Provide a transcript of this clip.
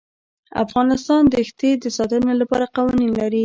افغانستان د ښتې د ساتنې لپاره قوانین لري.